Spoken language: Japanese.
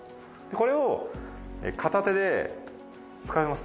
これを片手でつかめます？